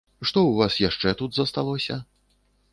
Што ў вас яшчэ тут засталося?